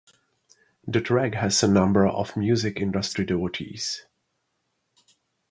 The track has a number of music industry devotees.